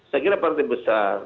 saya kira partai besar